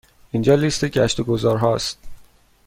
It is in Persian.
اینجا لیست گشت و گذار ها است.